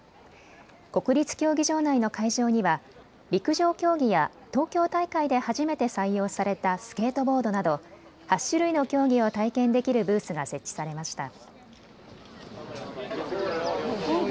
国立競技場内の会場には陸上競技や東京大会で初めて採用されたスケートボードなど８種類の競技を体験できるブースが設置されました。